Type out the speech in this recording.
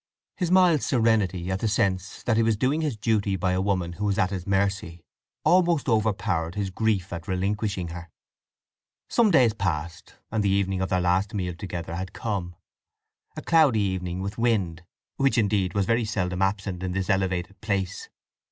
His mild serenity at the sense that he was doing his duty by a woman who was at his mercy almost overpowered his grief at relinquishing her. Some days passed, and the evening of their last meal together had come—a cloudy evening with wind—which indeed was very seldom absent in this elevated place.